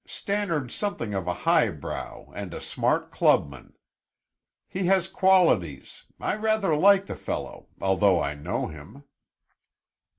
Stannard's something of a highbrow and a smart clubman. He has qualities I rather like the fellow, although I know him."